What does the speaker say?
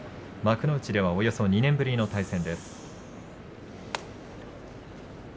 幕内では、およそ２年ぶりの対戦。